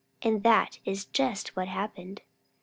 And that is just what happened.